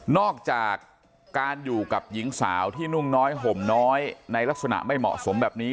อกจากการอยู่กับหญิงสาวที่นุ่งน้อยห่มน้อยในลักษณะไม่เหมาะสมแบบนี้